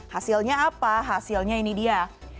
hasilnya apa hasilnya ini dia